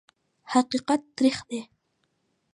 حقیقت تریخ دی .